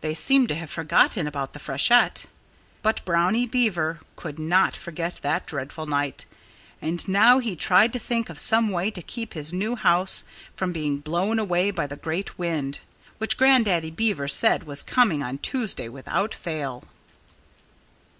They seemed to have forgotten about the freshet. But Brownie Beaver could not forget that dreadful night. And now he tried to think of some way to keep his new house from being blown away by the great wind, which Grandaddy Beaver said was coming on Tuesday without fail.